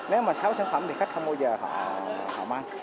nếu mà sáu sản phẩm thì khách không bao giờ họ mang